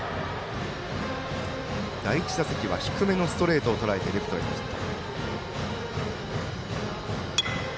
第１打席は低めのストレートをとらえているレフトへのヒット。